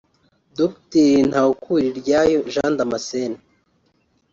Dr Ntawukuriryayo Jean Damascene